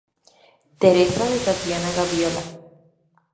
Teresa, de Tatiana Gaviola.